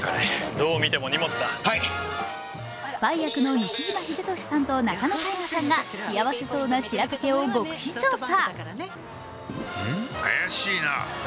スパイ役の西島秀俊さんと仲野太賀さんが、幸せそうな白戸家を極秘調査。